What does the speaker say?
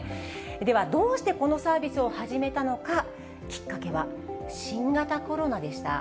では、どうしてこのサービスを始めたのか、きっかけは新型コロナでした。